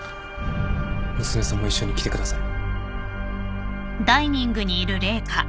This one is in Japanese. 娘さんも一緒に来てください。